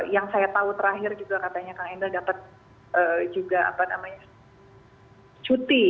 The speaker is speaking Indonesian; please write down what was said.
yang saya tahu terakhir juga katanya kang emil dapat juga apa namanya cuti